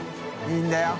いいんだよ。